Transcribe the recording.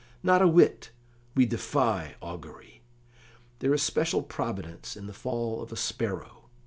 "Not a whit; we defy augury. There is special providence in the fall of a sparrow.